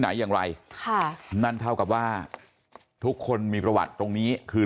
ไหนอย่างไรค่ะนั่นเท่ากับว่าทุกคนมีประวัติตรงนี้คือ